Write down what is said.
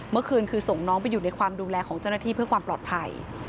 เมื่อคืนคือส่งน้องไปอยู่ในความดูแลของเจ้าหน้าที่เพื่อความปลอดภัย